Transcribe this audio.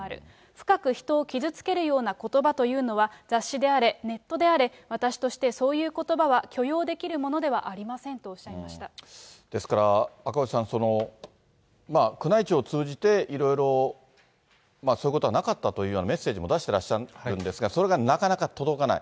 深く人を傷つけるようなことばというのは、雑誌であれネットであれ、私としてそういうことばは許容できるものではありませんとおっしですから赤星さん、宮内庁を通じて、いろいろそういうことはなかったというような、メッセージも出してらっしゃるんですが、それがなかなか届かない。